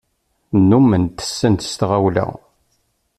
Nnumen tetten s tɣawla.